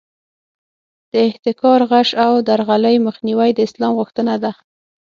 د احتکار، غش او درغلۍ مخنیوی د اسلام غوښتنه ده.